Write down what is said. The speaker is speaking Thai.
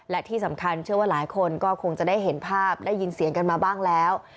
และที่สำคัญเชื่อว่าหลายคนก็คงจะได้เห็นภาพได้ยินเสียงกันมาบ้างแล้ว